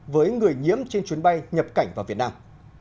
với người nhiễm trên chuyến bay nhập cảnh vào việt nam